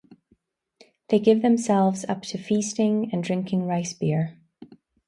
They give themselves up to feasting and drinking rice-beer.